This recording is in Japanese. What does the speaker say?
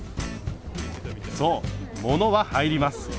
そう物は入ります。